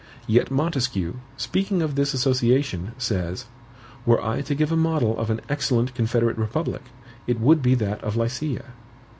Yet Montesquieu, speaking of this association, says: "Were I to give a model of an excellent Confederate Republic, it would be that of Lycia."